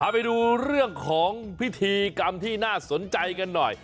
ไปดูเรื่องของพิธีกรรมที่น่าสนใจกันหน่อย